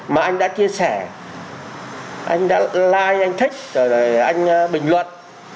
mà anh đã chia sẻ anh đã lai anh thích rồi anh bình luận